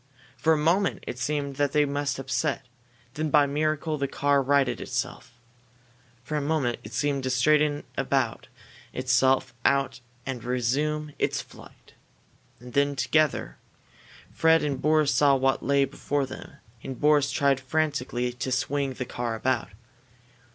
For a moment it seemed that they must upset. Then, by a miracle, the car righted itself. For a moment it seemed about to straighten itself out and resume its flight. And then, together, Fred and Boris saw what lay before them, and Boris tried frantically to swing the car out.